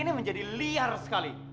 ini menjadi liar sekali